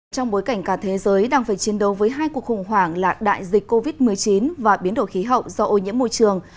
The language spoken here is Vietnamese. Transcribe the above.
trong bối cảnh cả thế giới đang phải chiến đấu với hai cuộc khủng hoảng là đại dịch covid một mươi chín và biến đổi khí hậu do ô nhiễm môi trường